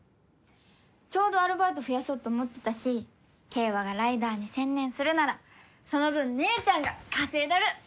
ちょうどアルバイト増やそうと思ってたし景和がライダーに専念するならその分姉ちゃんが稼いだる！